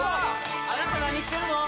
あなた何してるの？